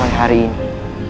selain hari ini